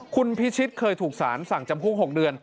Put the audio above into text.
คุณพิชิตเคยถูกสารสั่งจำคุก๖เดือน